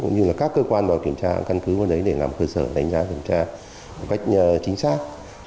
cũng như là các cơ quan vào kiểm tra căn cứ vào đấy để làm cơ sở đánh giá kiểm tra một cách chính xác